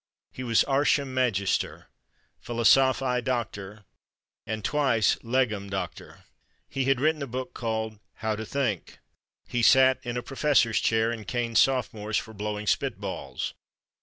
He was Artium Magister, Philosophiæ Doctor and twice Legum Doctor. He had written a book called "How to Think." He sat in a professor's chair and caned sophomores for blowing spit balls.